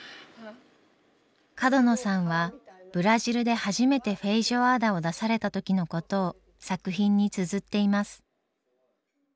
角野さんはブラジルで初めてフェイジョアーダを出された時のことを作品につづっています。